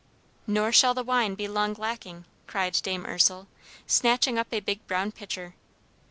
"Nor shall the wine be long lacking!" cried Dame Ursel, snatching up a big brown pitcher.